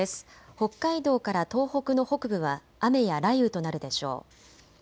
北海道から東北の北部は雨や雷雨となるでしょう。